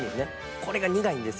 これが苦いんですよ。